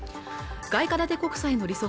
外貨建て国債の利息